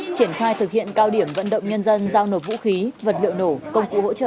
triển khai thực hiện cao điểm vận động nhân dân giao nộp vũ khí vật liệu nổ công cụ hỗ trợ